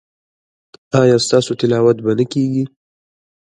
ایا ستاسو تلاوت به نه کیږي؟